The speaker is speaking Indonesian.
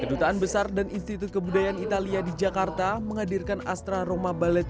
kedutaan besar dan institut kebudayaan italia di jakarta menghadirkan astra roma balet